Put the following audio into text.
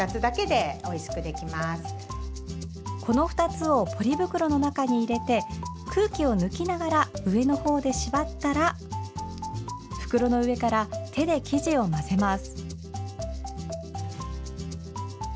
この２つをポリ袋の中に入れて空気を抜きながら上の方で縛ったら袋の上から手で生地を混ぜます。